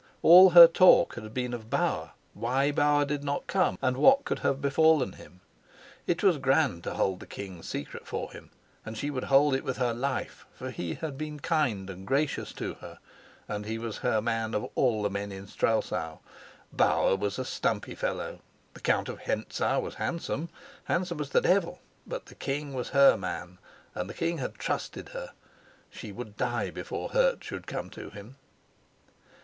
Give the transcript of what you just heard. All her talk had been of Bauer why Bauer did not come and what could have befallen him. It was grand to hold the king's secret for him, and she would hold it with her life; for he had been kind and gracious to her, and he was her man of all the men in Strelsau. Bauer was a stumpy fellow; the Count of Hentzau was handsome, handsome as the devil; but the king was her man. And the king had trusted her; she would die before hurt should come to him.